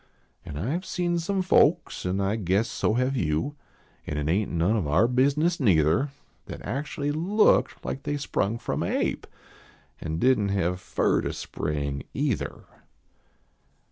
An I ve seen some folks, an I guess so have you, An it ain t none of our bizness neither, That actually looked like they sprung from a ape, An didn t have fur to spring either.